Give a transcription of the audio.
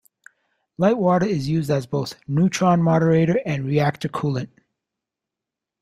Light water is used as both neutron-moderator and reactor coolant.